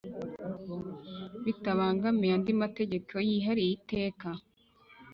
Bitabangamiye andi mategeko yihariye Iteka